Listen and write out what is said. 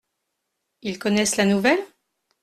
Ils connaissent la nouvelle ?